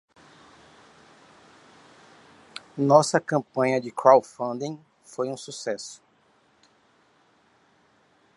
Nossa campanha de crowdfunding foi um sucesso.